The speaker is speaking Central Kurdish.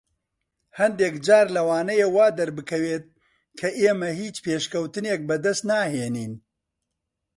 هەندێک جار لەوانەیە وا دەربکەوێت کە ئێمە هیچ پێشکەوتنێک بەدەست ناهێنین.